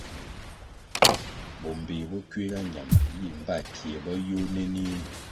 Bo mbpéh bo kuiga ñama yih mbpa kie bo yôh nenih ri.